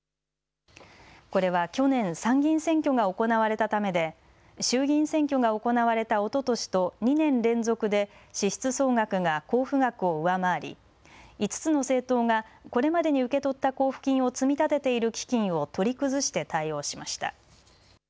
これは去年、参議院選挙が行われたためで、衆議院選挙が行われたおととしと２年連続で支出総額が交付額を上回り５つの政党がこれまでに受け取った交付金を積み立てている基金を取り崩して対応しました。